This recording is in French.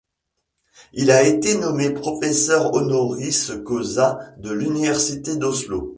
Il a été nommé professeur honoris causa de l'Université d'Oslo.